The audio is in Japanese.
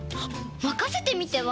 まかせてみては？